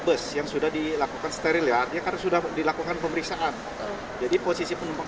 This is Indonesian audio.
bus yang sudah dilakukan steril ya artinya kan sudah dilakukan pemeriksaan jadi posisi penumpang